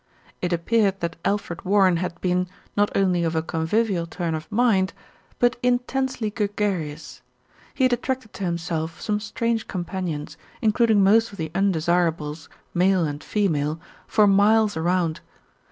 It appeared that Alfred Warren had been, not only of a convivial turn of mind, but intensely gregarious. He had attracted to himself some strange companions, including most of the undesirables, male and female, for miles around.